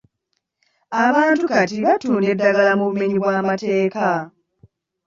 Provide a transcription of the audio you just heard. Abantu kati batunda eddagala mu bumenyi bw'amateeka.